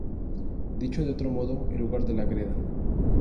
Dicho de otro modo: El lugar de la greda.